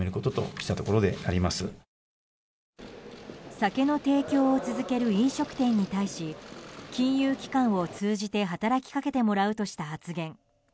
酒の提供を続ける飲食店に対し金融機関を通じて働きかけてもらうとした発言。